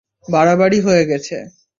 বাড়াবাড়ি হয়ে গেছে।